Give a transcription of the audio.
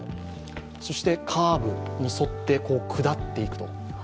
そしてカーブに沿って、下っていくと。